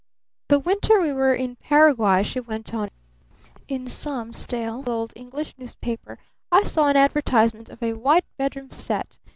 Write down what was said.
"The winter we were in Paraguay," she went on, "in some stale old English newspaper I saw an advertisement of a white bedroom set.